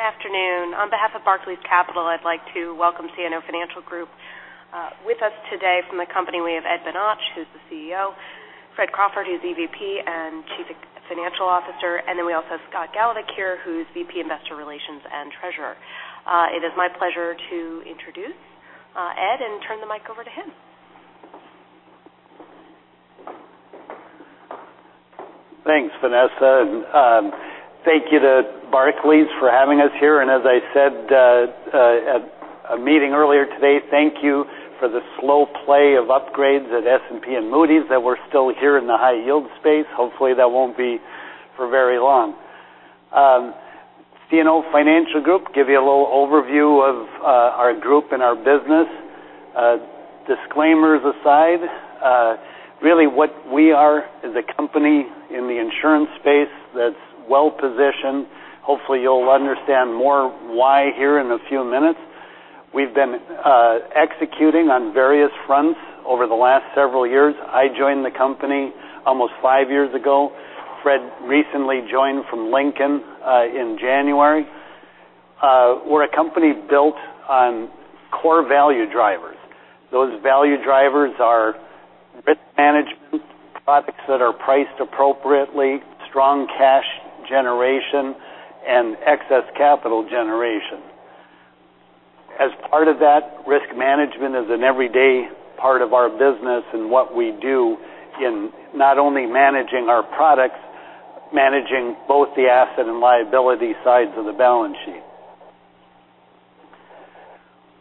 Good afternoon. On behalf of Barclays Capital, I'd like to welcome CNO Financial Group. With us today from the company, we have Ed Bonach, who's the CEO, Fred Crawford, who's EVP and Chief Financial Officer, and we also have Scott Goldberg here, who's VP Investor Relations and Treasurer. It is my pleasure to introduce Ed and turn the mic over to him. Thanks, Vanessa. Thank you to Barclays for having us here. As I said at a meeting earlier today, thank you for the slow play of upgrades at S&P and Moody's that we're still here in the high yield space. Hopefully, that won't be for very long. CNO Financial Group, give you a little overview of our group and our business. Disclaimers aside, really what we are is a company in the insurance space that's well-positioned. Hopefully, you'll understand more why here in a few minutes. We've been executing on various fronts over the last several years. I joined the company almost five years ago. Fred recently joined from Lincoln in January. We're a company built on core value drivers. Those value drivers are risk management, products that are priced appropriately, strong cash generation, and excess capital generation. As part of that, risk management is an everyday part of our business and what we do in not only managing our products, managing both the asset and liability sides of the balance sheet.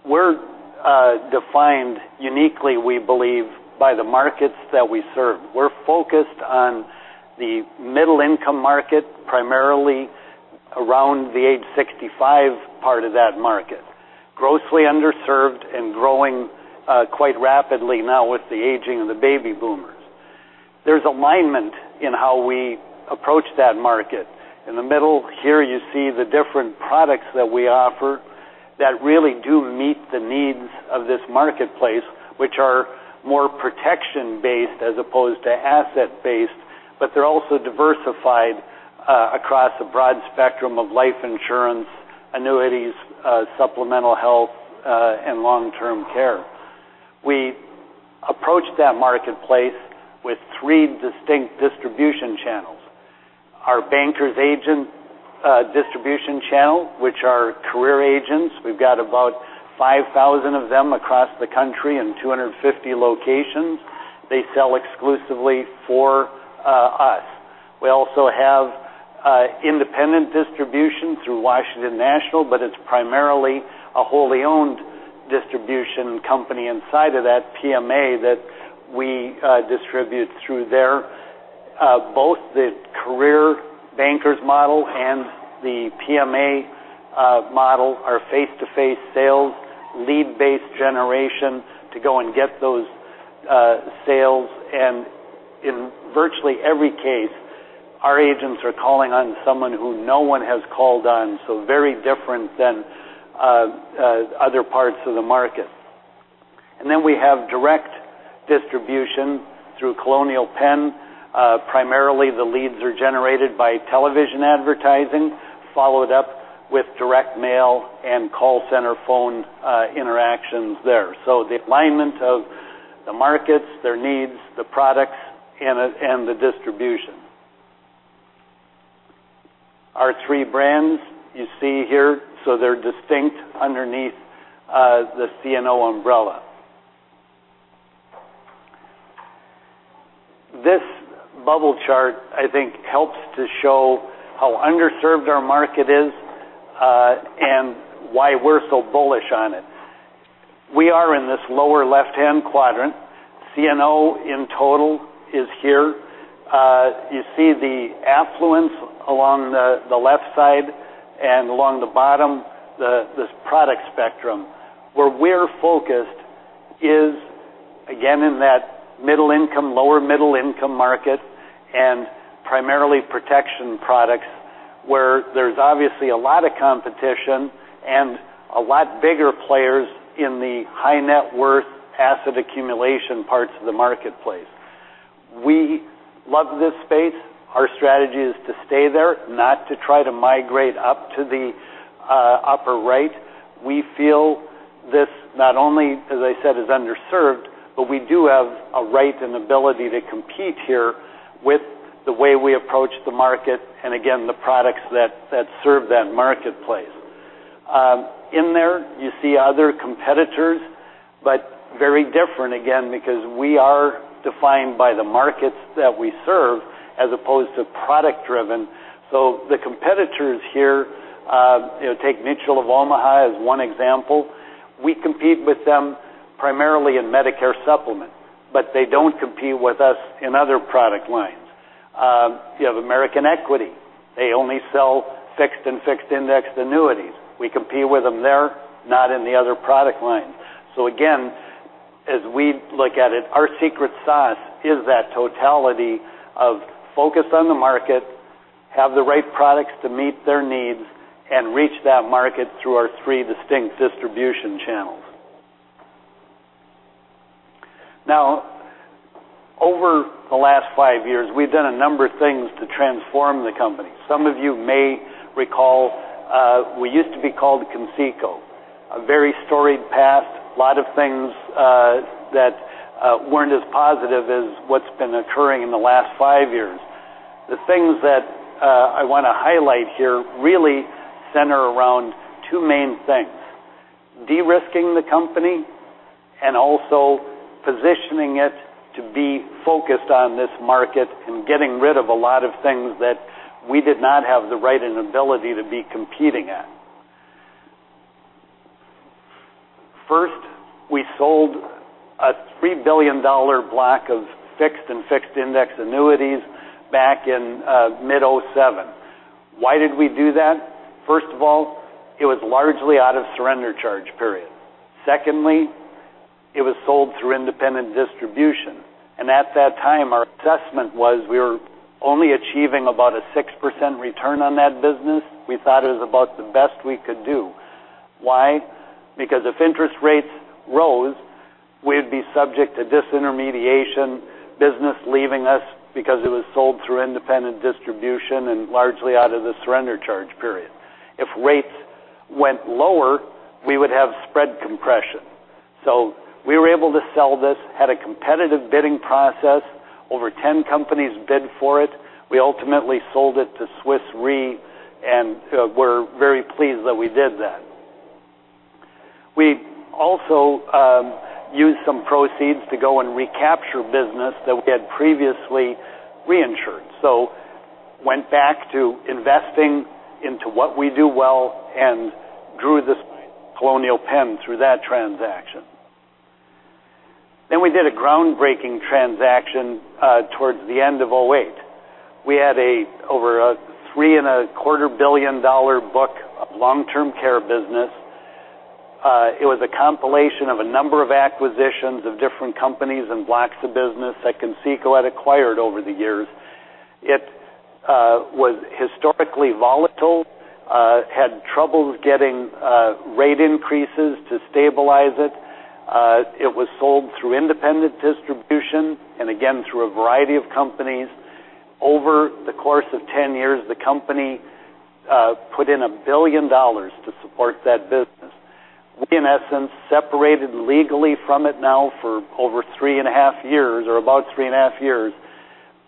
We're defined uniquely, we believe, by the markets that we serve. We're focused on the middle income market, primarily around the age 65 part of that market. Grossly underserved and growing quite rapidly now with the aging of the baby boomers. There's alignment in how we approach that market. In the middle here, you see the different products that we offer that really do meet the needs of this marketplace, which are more protection based as opposed to asset based, but they're also diversified across a broad spectrum of life insurance, annuities, supplemental health, and long-term care. We approach that marketplace with three distinct distribution channels. Our Bankers agent distribution channel, which are career agents. We've got about 5,000 of them across the country in 250 locations. They sell exclusively for us. We also have independent distribution through Washington National, but it's primarily a wholly owned distribution company inside of that PMA that we distribute through there. Both the career Bankers model and the PMA model are face-to-face sales, lead-based generation to go and get those sales. In virtually every case, our agents are calling on someone who no one has called on, so very different than other parts of the market. We have direct distribution through Colonial Penn. Primarily, the leads are generated by television advertising, followed up with direct mail and call center phone interactions there. The alignment of the markets, their needs, the products, and the distribution. Our three brands you see here, they're distinct underneath the CNO umbrella. This bubble chart, I think, helps to show how underserved our market is, and why we're so bullish on it. We are in this lower left-hand quadrant. CNO in total is here. You see the affluence along the left side and along the bottom, this product spectrum. Where we're focused is, again, in that middle income, lower middle income market, and primarily protection products, where there's obviously a lot of competition and a lot bigger players in the high net worth asset accumulation parts of the marketplace. We love this space. Our strategy is to stay there, not to try to migrate up to the upper right. We feel this not only, as I said, is underserved, but we do have a right and ability to compete here with the way we approach the market and again, the products that serve that marketplace. In there, you see other competitors, but very different, again, because we are defined by the markets that we serve as opposed to product driven. The competitors here, take Mutual of Omaha as one example. We compete with them primarily in Medicare Supplement, but they don't compete with us in other product lines. You have American Equity. They only sell fixed and fixed indexed annuities. We compete with them there, not in the other product lines. Again, as we look at it, our secret sauce is that totality of focus on the market, have the right products to meet their needs, and reach that market through our three distinct distribution channels. Now, over the last five years, we've done a number of things to transform the company. Some of you may recall, we used to be called Conseco. A very storied past. A lot of things that weren't as positive as what's been occurring in the last five years. The things that I want to highlight here really center around two main things, de-risking the company, and also positioning it to be focused on this market and getting rid of a lot of things that we did not have the right and ability to be competing at. First, we sold a $3 billion block of fixed and fixed-index annuities back in mid 2007. Why did we do that? First of all, it was largely out of surrender charge period. Secondly, it was sold through independent distribution. At that time, our assessment was we were only achieving about a 6% return on that business. We thought it was about the best we could do. Why? Because if interest rates rose, we'd be subject to disintermediation, business leaving us because it was sold through independent distribution and largely out of the surrender charge period. If rates went lower, we would have spread compression. We were able to sell this, had a competitive bidding process. Over 10 companies bid for it. We ultimately sold it to Swiss Re, and we're very pleased that we did that. We also used some proceeds to go and recapture business that we had previously reinsured. Went back to investing into what we do well and drew this Colonial Penn through that transaction. We did a groundbreaking transaction towards the end of 2008. We had over a $3.25 billion book of long-term care business. It was a compilation of a number of acquisitions of different companies and blocks of business that Conseco had acquired over the years. It was historically volatile, had trouble getting rate increases to stabilize it. It was sold through independent distribution and again, through a variety of companies. Over the course of 10 years, the company put in $1 billion to support that business. We, in essence, separated legally from it now for over three and a half years or about three and a half years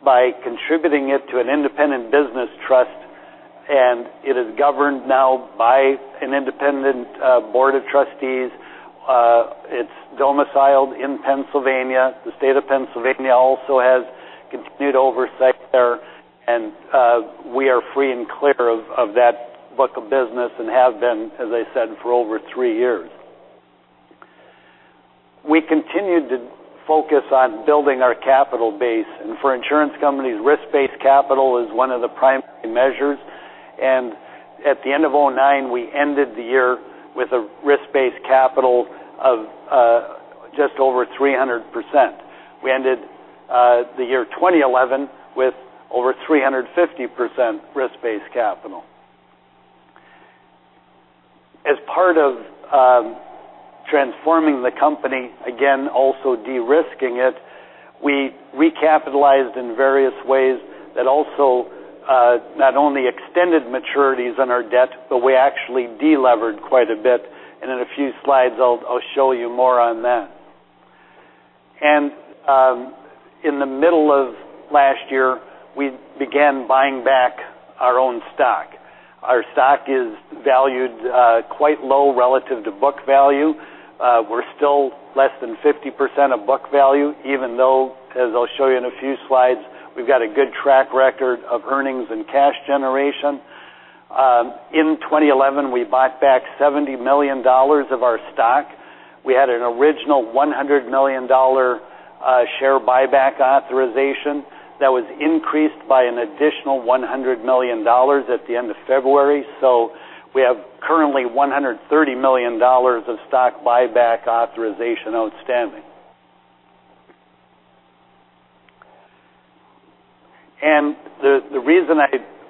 by contributing it to an independent business trust, and it is governed now by an independent board of trustees. It's domiciled in Pennsylvania. The State of Pennsylvania also has continued oversight there, and we are free and clear of that book of business and have been, as I said, for over three years. For insurance companies, risk-based capital is one of the primary measures. At the end of 2009, we ended the year with a risk-based capital of just over 300%. We ended the year 2011 with over 350% risk-based capital. As part of transforming the company, again, also de-risking it, we recapitalized in various ways that also not only extended maturities on our debt, but we actually de-levered quite a bit. In a few slides, I'll show you more on that. In the middle of last year, we began buying back our own stock. Our stock is valued quite low relative to book value. We're still less than 50% of book value, even though, as I'll show you in a few slides, we've got a good track record of earnings and cash generation. In 2011, we bought back $70 million of our stock. We had an original $100 million share buyback authorization that was increased by an additional $100 million at the end of February. We have currently $130 million of stock buyback authorization outstanding. The reason I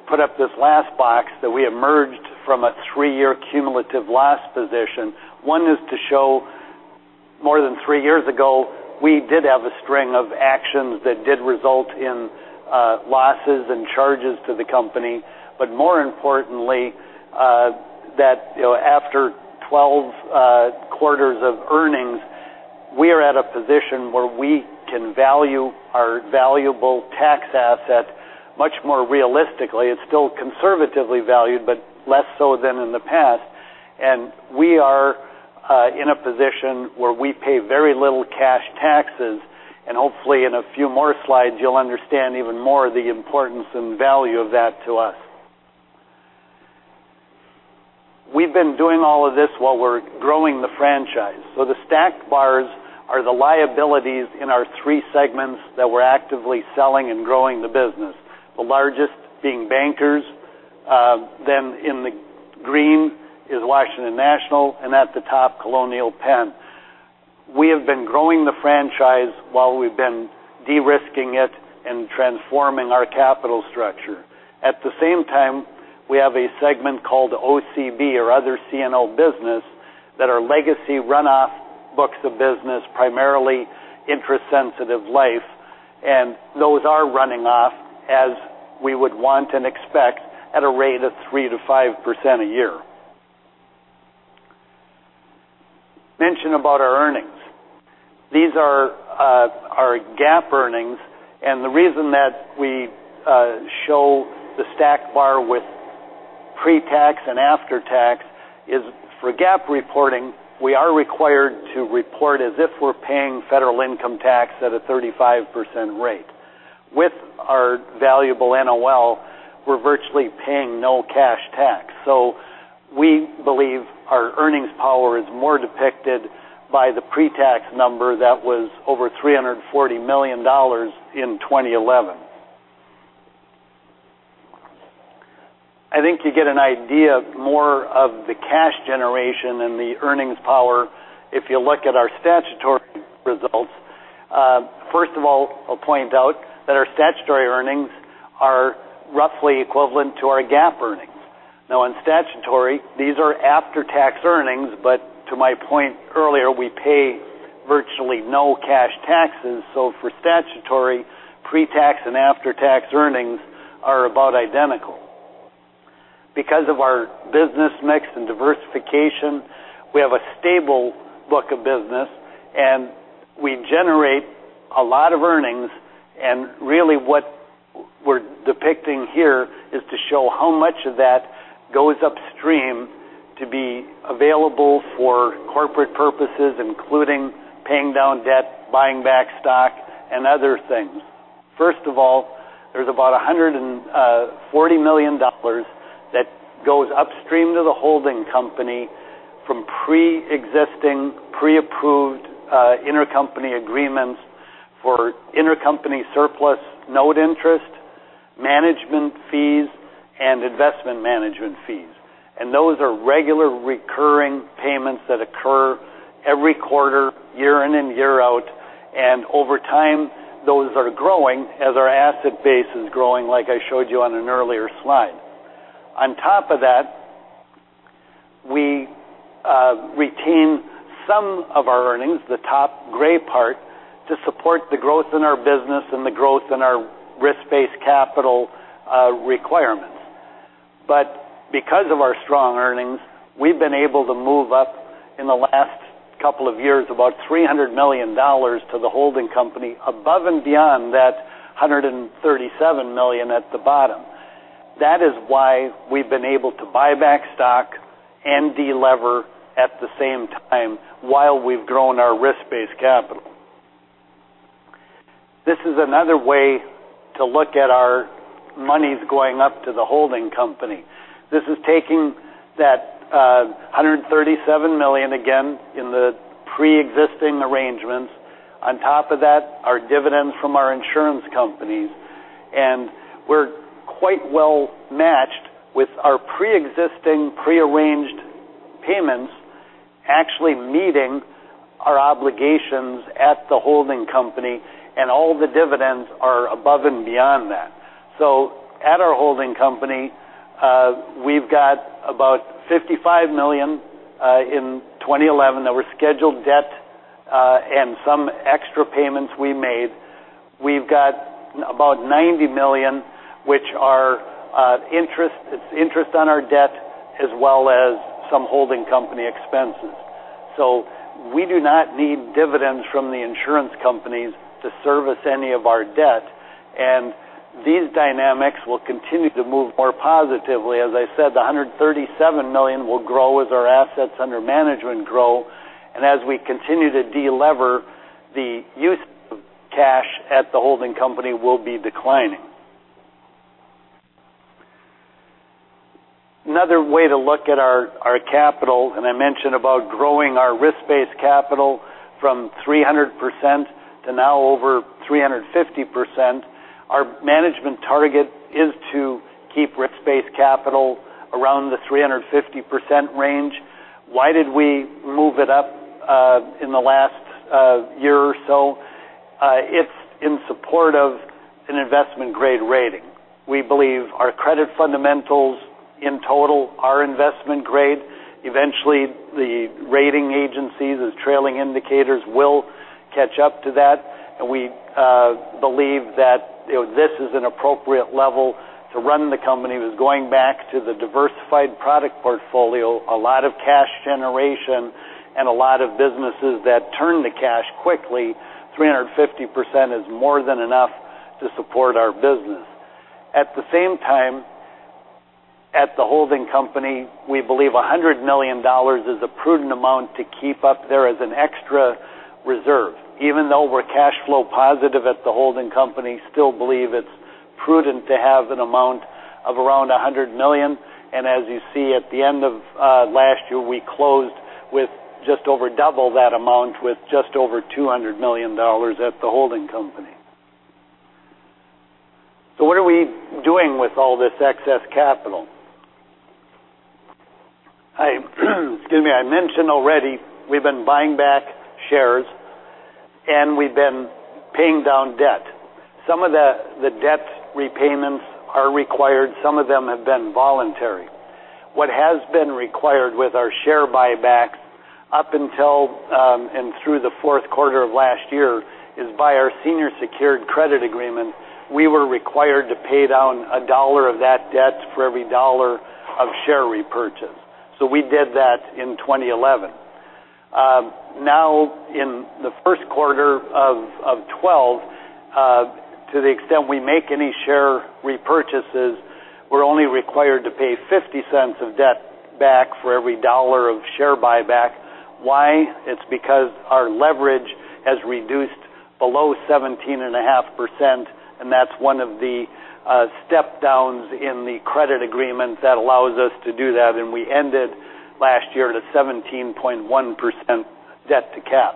put up this last box that we emerged from a three-year cumulative loss position. One is to show more than three years ago, we did have a string of actions that did result in losses and charges to the company. More importantly, that after 12 quarters of earnings, we are at a position where we can value our valuable tax asset much more realistically. It's still conservatively valued, but less so than in the past. We are in a position where we pay very little cash taxes, and hopefully, in a few more slides, you'll understand even more the importance and value of that to us. We've been doing all of this while we're growing the franchise. The stacked bars are the liabilities in our three segments that we're actively selling and growing the business, the largest being Bankers. In the green is Washington National, and at the top, Colonial Penn. We have been growing the franchise while we've been de-risking it and transforming our capital structure. At the same time. We have a segment called OCB or Other CNO Business that are legacy runoff books of business, primarily interest-sensitive life. Those are running off as we would want and expect at a rate of 3%-5% a year. Mention about our earnings. These are our GAAP earnings. The reason that we show the stack bar with pre-tax and after-tax is for GAAP reporting, we are required to report as if we're paying federal income tax at a 35% rate. With our valuable NOL, we're virtually paying no cash tax. We believe our earnings power is more depicted by the pre-tax number that was over $340 million in 2011. I think you get an idea more of the cash generation and the earnings power if you look at our statutory results. First of all, I'll point out that our statutory earnings are roughly equivalent to our GAAP earnings. Now in statutory, these are after-tax earnings. But to my point earlier, we pay virtually no cash taxes. For statutory, pre-tax and after-tax earnings are about identical. Because of our business mix and diversification, we have a stable book of business, and we generate a lot of earnings. Really what we're depicting here is to show how much of that goes upstream to be available for corporate purposes, including paying down debt, buying back stock, and other things. First of all, there's about $140 million that goes upstream to the holding company from preexisting, pre-approved intercompany agreements for intercompany surplus note interest, management fees, and investment management fees. Those are regular recurring payments that occur every quarter, year in and year out. Over time, those are growing as our asset base is growing, like I showed you on an earlier slide. On top of that, we retain some of our earnings, the top gray part, to support the growth in our business and the growth in our risk-based capital requirements. But because of our strong earnings, we've been able to move up in the last couple of years about $300 million to the holding company above and beyond that $137 million at the bottom. That is why we've been able to buy back stock and de-lever at the same time while we've grown our risk-based capital. This is another way to look at our monies going up to the holding company. This is taking that $137 million, again, in the preexisting arrangements. On top of that, our dividends from our insurance companies. We're quite well matched with our preexisting prearranged payments actually meeting our obligations at the holding company, and all the dividends are above and beyond that. At our holding company, we've got about $55 million in 2011 that were scheduled debt, and some extra payments we made. We've got about $90 million, which is interest on our debt as well as some holding company expenses. We do not need dividends from the insurance companies to service any of our debt. These dynamics will continue to move more positively. As I said, the $137 million will grow as our assets under management grow. As we continue to de-lever, the use of cash at the holding company will be declining. Another way to look at our capital, I mentioned about growing our risk-based capital from 300% to now over 350%. Our management target is to keep risk-based capital around the 350% range. Why did we move it up in the last year or so? It's in support of an investment-grade rating. We believe our credit fundamentals in total are investment grade. Eventually, the rating agencies' trailing indicators will catch up to that. We believe that this is an appropriate level to run the company. It was going back to the diversified product portfolio, a lot of cash generation, and a lot of businesses that turn to cash quickly. 350% is more than enough to support our business. At the same time, at the holding company, we believe $100 million is a prudent amount to keep up there as an extra reserve. Even though we're cash flow positive at the holding company, still believe it's prudent to have an amount of around $100 million. As you see at the end of last year, we closed with just over double that amount with just over $200 million at the holding company. What are we doing with all this excess capital? Excuse me. I mentioned already we've been buying back shares, and we've been paying down debt. Some of the debt repayments are required, some of them have been voluntary. What has been required with our share buybacks up until and through the fourth quarter of last year is by our senior secured credit agreement, we were required to pay down a dollar of that debt for every dollar of share repurchase. We did that in 2011. In the first quarter of 2012, to the extent we make any share repurchases, we're only required to pay $0.50 of debt back for every dollar of share buyback. Why? It's because our leverage has reduced below 17.5%, and that's one of the step downs in the credit agreement that allows us to do that, and we ended last year at a 17.1% debt to cap.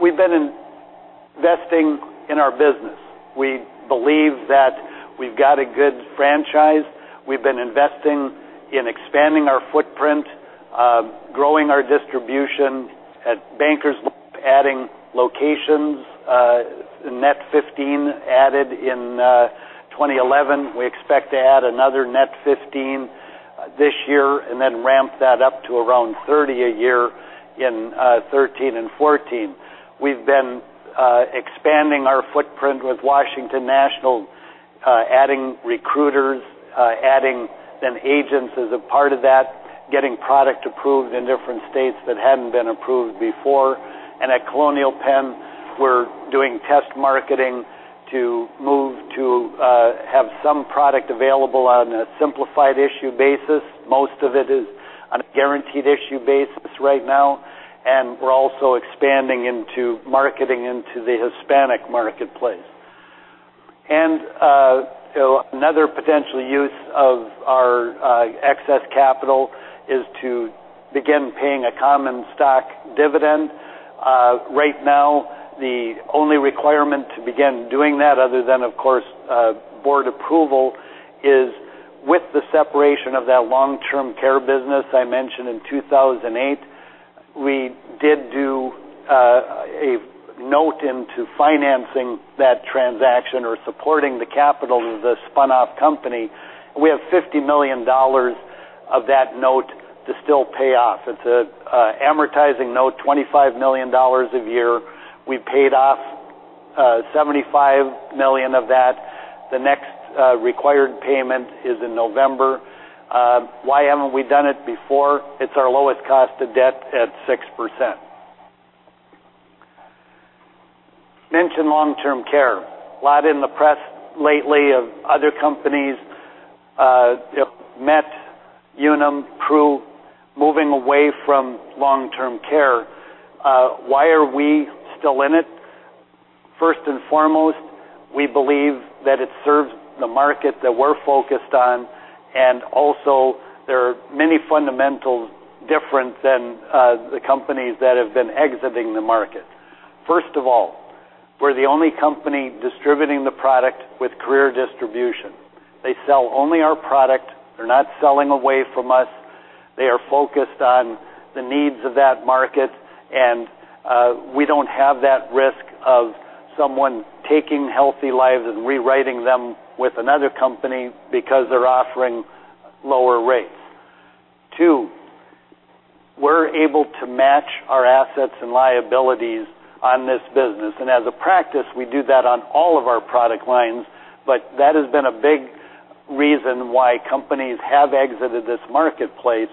We've been investing in our business. We believe that we've got a good franchise. We've been investing in expanding our footprint, growing our distribution at Bankers Life, adding locations, net 15 added in 2011. We expect to add another net 15 this year, ramp that up to around 30 a year in 2013 and 2014. We've been expanding our footprint with Washington National, adding recruiters, adding then agents as a part of that, getting product approved in different states that hadn't been approved before. At Colonial Penn, we're doing test marketing to move to have some product available on a simplified issue basis. Most of it is on a guaranteed issue basis right now, we're also expanding into marketing into the Hispanic marketplace. Another potential use of our excess capital is to begin paying a common stock dividend. Right now, the only requirement to begin doing that, other than of course, board approval, is with the separation of that long-term care business I mentioned in 2008. We did do a note into financing that transaction or supporting the capital of the spun-off company. We have $50 million of that note to still pay off. It's an amortizing note, $25 million a year. We paid off $75 million of that. The next required payment is in November. Why haven't we done it before? It's our lowest cost of debt at 6%. Mention long-term care. A lot in the press lately of other companies, Met, Unum, Pru, moving away from long-term care. Why are we still in it? First and foremost, we believe that it serves the market that we're focused on, there are many fundamentals different than the companies that have been exiting the market. First of all, we're the only company distributing the product with career distribution. They sell only our product. They're not selling away from us. They are focused on the needs of that market, we don't have that risk of someone taking healthy lives and rewriting them with another company because they're offering lower rates. Two, we're able to match our assets and liabilities on this business. As a practice, we do that on all of our product lines, but that has been a big reason why companies have exited this marketplace.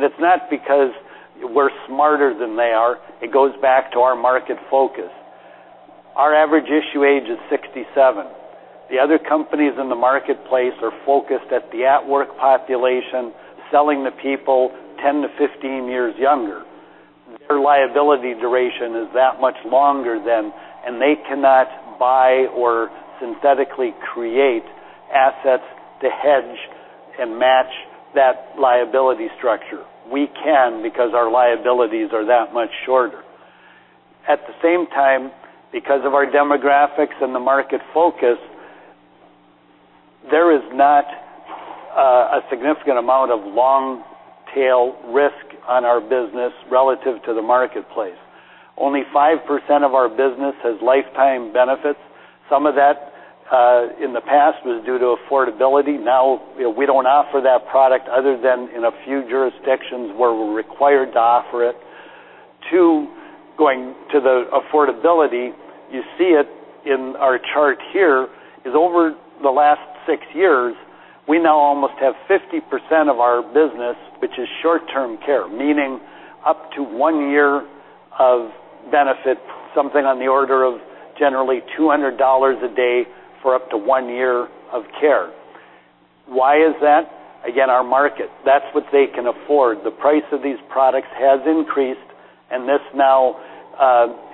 It's not because we're smarter than they are. It goes back to our market focus. Our average issue age is 67. The other companies in the marketplace are focused at the at-work population, selling to people 10-15 years younger. Their liability duration is that much longer than, they cannot buy or synthetically create assets to hedge and match that liability structure. We can because our liabilities are that much shorter. At the same time, because of our demographics and the market focus, there is not a significant amount of long-tail risk on our business relative to the marketplace. Only 5% of our business has lifetime benefits. Some of that in the past was due to affordability. Now, we don't offer that product other than in a few jurisdictions where we're required to offer it. Two, going to the affordability, you see it in our chart here is over the last six years, we now almost have 50% of our business, which is short-term care, meaning up to one year of benefits, something on the order of generally $200 a day for up to one year of care. Why is that? Again, our market. That's what they can afford. The price of these products has increased, this now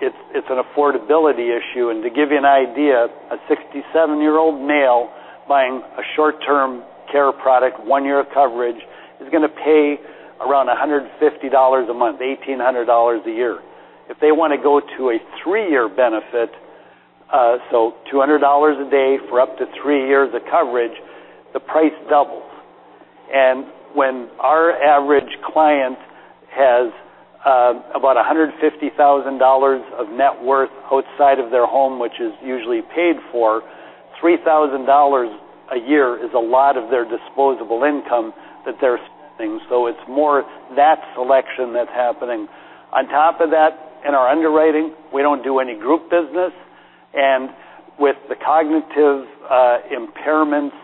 it's an affordability issue. To give you an idea, a 67-year-old male buying a short-term care product, one year of coverage, is going to pay around $150 a month, $1,800 a year. If they want to go to a three-year benefit, $200 a day for up to three years of coverage, the price doubles. When our average client has about $150,000 of net worth outside of their home, which is usually paid for, $3,000 a year is a lot of their disposable income that they're spending. It's more that selection that's happening. On top of that, in our underwriting, we don't do any group business, with the cognitive impairments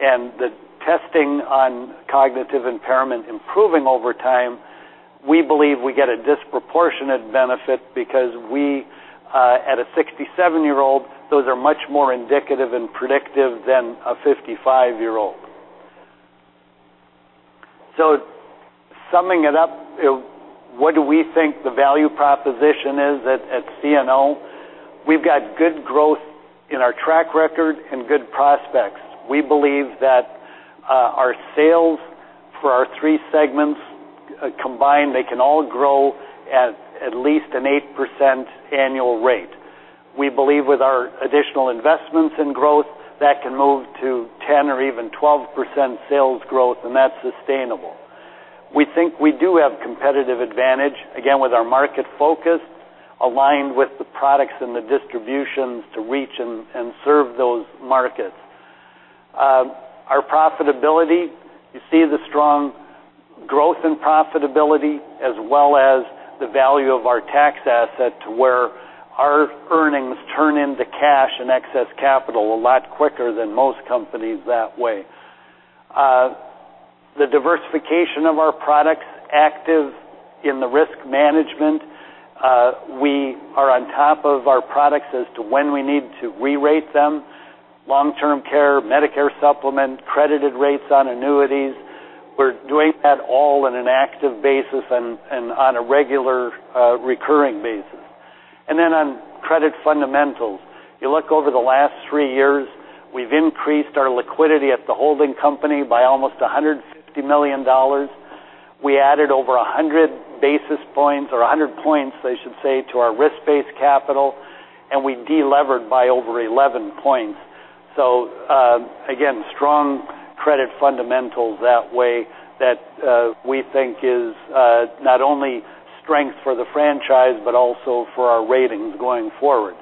and the testing on cognitive impairment improving over time, we believe we get a disproportionate benefit because we, at a 67-year-old, those are much more indicative and predictive than a 55-year-old. Summing it up, what do we think the value proposition is at CNO? We've got good growth in our track record and good prospects. We believe that our sales for our three segments combined, they can all grow at at least an 8% annual rate. We believe with our additional investments in growth, that can move to 10 or even 12% sales growth, that's sustainable. We think we do have competitive advantage, again, with our market focus aligned with the products and the distributions to reach and serve those markets. Our profitability, you see the strong growth in profitability as well as the value of our tax asset to where our earnings turn into cash and excess capital a lot quicker than most companies that way. The diversification of our products, active in the risk management. We are on top of our products as to when we need to re-rate them. Long-term care, Medicare Supplement, credited rates on annuities. We're doing that all on an active basis and on a regular recurring basis. On credit fundamentals, you look over the last three years, we've increased our liquidity at the holding company by almost $150 million. We added over 100 basis points or 100 points, I should say, to our risk-based capital, and we de-levered by over 11 points. Again, strong credit fundamentals that way that we think is not only strength for the franchise, but also for our ratings going forward.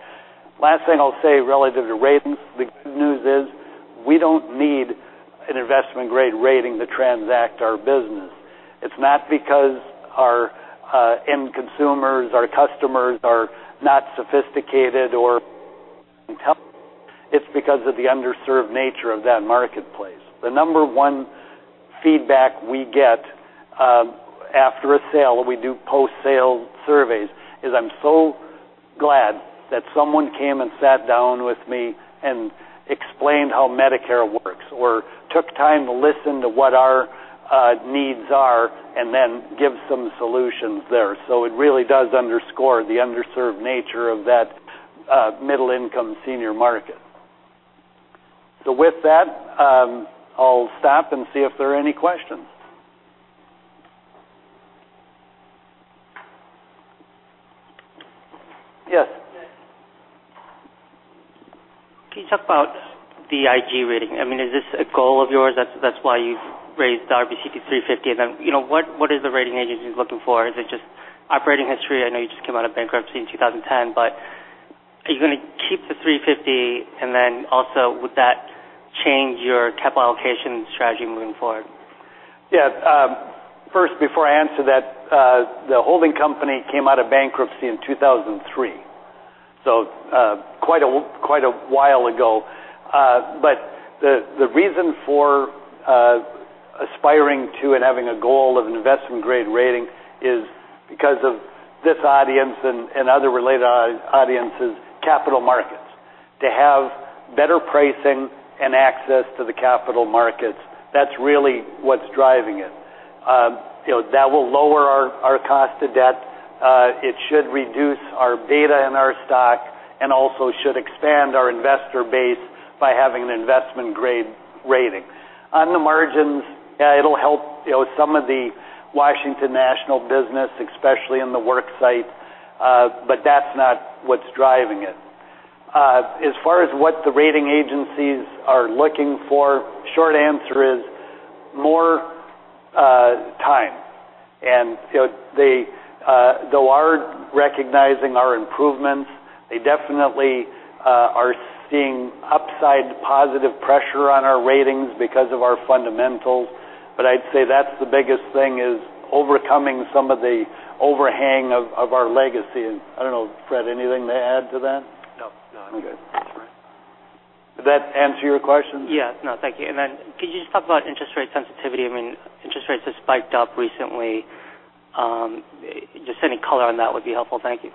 Last thing I'll say relative to ratings, the good news is we don't need an investment-grade rating to transact our business. It's not because our end consumers, our customers, are not sophisticated or competent. It's because of the underserved nature of that marketplace. The number one feedback we get after a sale, we do post-sale surveys, is, "I'm so glad that someone came and sat down with me and explained how Medicare works or took time to listen to what our needs are, and then give some solutions there." It really does underscore the underserved nature of that middle income senior market. With that, I'll stop and see if there are any questions. Yes. Can you talk about the IG rating? Is this a goal of yours? That's why you've raised the RBC to 350, and then what is the rating agencies looking for? Is it just operating history? I know you just came out of bankruptcy in 2010. Are you going to keep the 350, and then also would that change your capital allocation strategy moving forward? Yes. First, before I answer that, the holding company came out of bankruptcy in 2003, so quite a while ago. The reason for aspiring to and having a goal of an investment-grade rating is because of this audience and other related audiences, capital markets. To have better pricing and access to the capital markets, that's really what's driving it. That will lower our cost to debt. It should reduce our beta in our stock and also should expand our investor base by having an investment-grade rating. On the margins, it'll help some of the Washington National business, especially in the worksite, but that's not what's driving it. As far as what the rating agencies are looking for, short answer is more time. They are recognizing our improvements. They definitely are seeing upside positive pressure on our ratings because of our fundamentals. I'd say that's the biggest thing, is overcoming some of the overhang of our legacy. I don't know, Fred, anything to add to that? No. Okay. That's right. Did that answer your question? Yeah. No, thank you. Then could you just talk about interest rate sensitivity? Interest rates have spiked up recently. Just any color on that would be helpful. Thank you.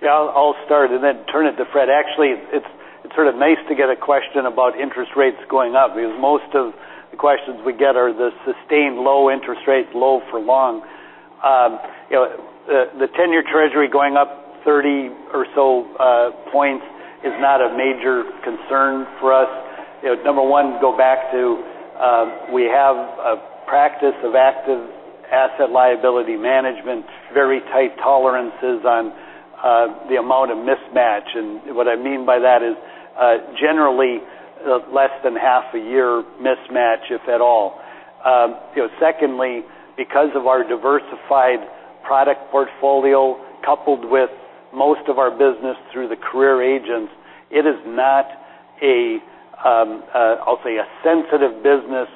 Yeah, I'll start and then turn it to Fred. Actually, it's sort of nice to get a question about interest rates going up because most of the questions we get are the sustained low interest rates, low for long. The 10-year Treasury going up 30 or so points is not a major concern for us. Number one, go back to we have a practice of active asset liability management, very tight tolerances on the amount of mismatch. What I mean by that is, generally, less than half a year mismatch, if at all. Secondly, because of our diversified product portfolio, coupled with most of our business through the career agents, it is not, I'll say, a sensitive business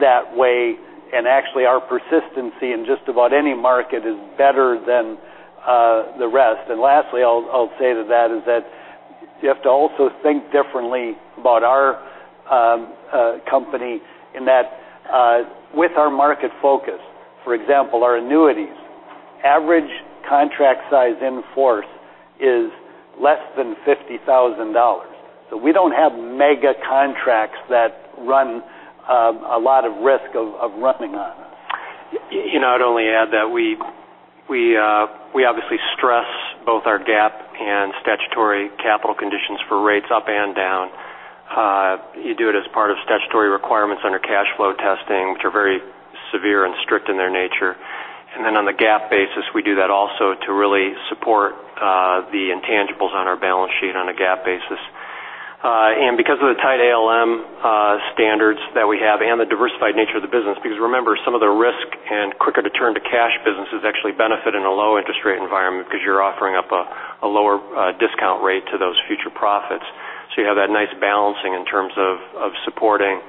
that way. Actually, our persistency in just about any market is better than the rest. Lastly, I'll say to that is that you have to also think differently about our company in that with our market focus, for example, our annuities average contract size in force is less than $50,000. We don't have mega contracts that run a lot of risk of running on us. I'd only add that we obviously stress both our GAAP and statutory capital conditions for rates up and down. You do it as part of statutory requirements under cash flow testing, which are very severe and strict in their nature. Then on the GAAP basis, we do that also to really support the intangibles on our balance sheet on a GAAP basis. Because of the tight ALM standards that we have and the diversified nature of the business, because remember, some of the risk and quicker to turn to cash businesses actually benefit in a low interest rate environment because you're offering up a lower discount rate to those future profits. You have that nice balancing in terms of supporting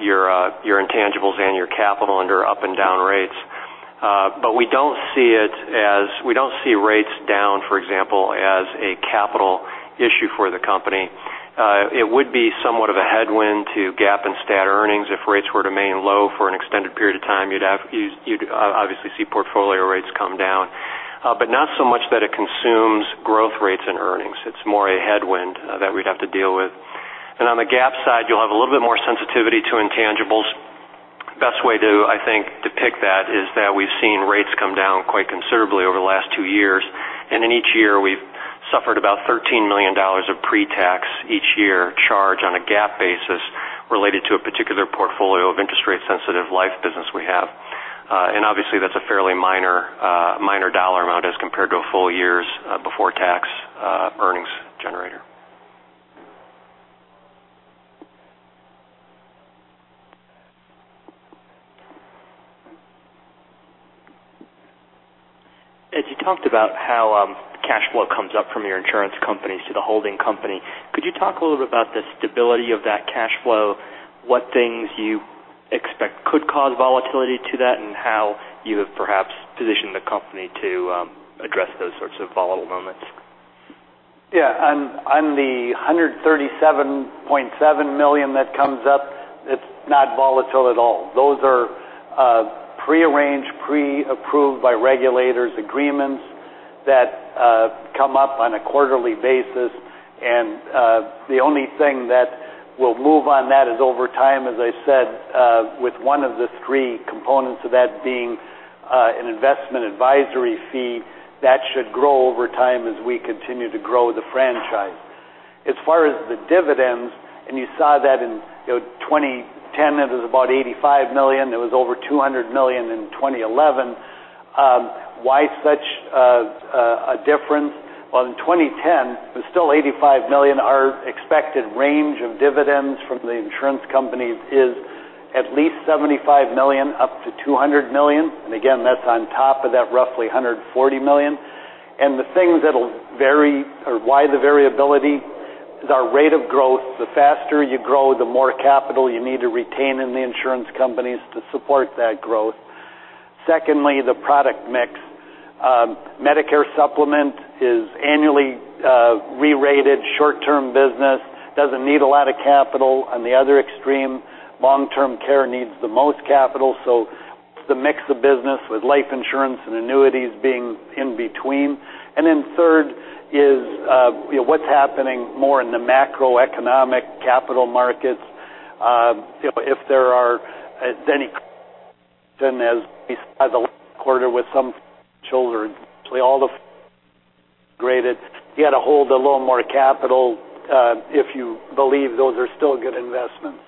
your intangibles and your capital under up and down rates. We don't see rates down, for example, as a capital issue for the company. It would be somewhat of a headwind to GAAP and stat earnings. If rates were to remain low for an extended period of time, you'd obviously see portfolio rates come down. Not so much that it consumes growth rates and earnings. It's more a headwind that we'd have to deal with. On the GAAP side, you'll have a little bit more sensitivity to intangibles. Best way to, I think, depict that is that we've seen rates come down quite considerably over the last 2 years, and in each year we've suffered about $13 million of pre-tax each year charge on a GAAP basis related to a particular portfolio of interest rate sensitive life business we have. Obviously, that's a fairly minor dollar amount as compared to a full year's before tax earnings generator. Ed, you talked about how cash flow comes up from your insurance companies to the holding company. Could you talk a little bit about the stability of that cash flow, what things you expect could cause volatility to that, and how you have perhaps positioned the company to address those sorts of volatile moments? Yeah. On the $137.7 million that comes up, it's not volatile at all. Those are prearranged, pre-approved by regulators' agreements that come up on a quarterly basis. The only thing that will move on that is over time, as I said, with one of the three components of that being an investment advisory fee, that should grow over time as we continue to grow the franchise. As far as the dividends, and you saw that in 2010, it was about $85 million. It was over $200 million in 2011. Why such a difference? Well, in 2010, it was still $85 million. Our expected range of dividends from the insurance companies is at least $75 million, up to $200 million. Again, that's on top of that roughly $140 million. The things that'll vary or why the variability is our rate of growth. The faster you grow, the more capital you need to retain in the insurance companies to support that growth. Secondly, the product mix. Medicare Supplement is annually re-rated. Short-term business doesn't need a lot of capital. On the other extreme, long-term care needs the most capital. It's the mix of business with life insurance and annuities being in between. Then third is what's happening more in the macroeconomic capital markets. If there are any then as we saw the last quarter with some collateral, all downgraded, you had to hold a little more capital, if you believe those are still good investments